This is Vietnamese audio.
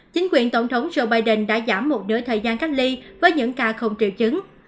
chính quyền tổng thống joe biden đã giảm một nửa thời gian cách ly với những ca không triệu chứng